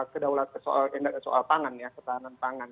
kedaulatan soal pangan ya ketahanan pangan